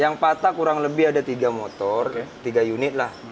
yang patah kurang lebih ada tiga motor tiga unit lah